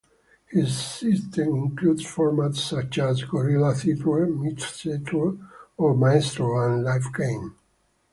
His system include formats such as "Gorilla Theatre", "Micetro" or "Maestro", and "Life Game".